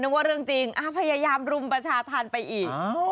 ว่าเรื่องจริงพยายามรุมประชาธรรมไปอีก